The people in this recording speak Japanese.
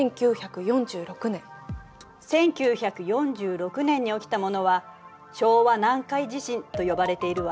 １９４６年に起きたものは「昭和南海地震」と呼ばれているわ。